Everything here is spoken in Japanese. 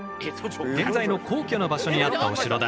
現在の皇居の場所にあったお城だ。